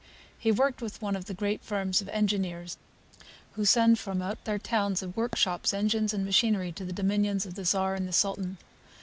He worked with one of the great firms of engineers, who send from out their towns of workshops engines and machinery to the dominions of the Czar and the Sultan.